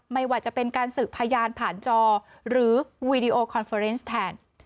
ไม่ว่าจะเป็นการสืบพยานผ่านจอหรือวีดีโอคอนเฟอร์เนสแทน